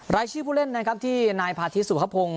รายชื่อผู้เล่นนะครับที่นายพาธิสุภพงศ์